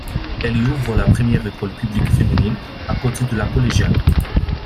Elle y ouvre la première école publique féminine, à côté de la collégiale.